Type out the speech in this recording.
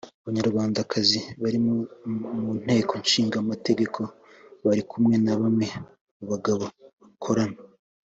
Abanyarwandakazi bari mu Nteko Ishinga Amategeko bari kumwe na bamwe mu bagabo bakorana